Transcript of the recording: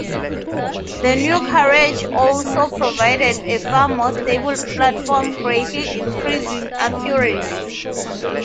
The new carriage also provided a far more stable platform, greatly increasing accuracy.